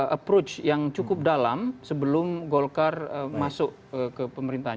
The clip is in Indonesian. approach yang cukup dalam sebelum golkar masuk ke pemerintahan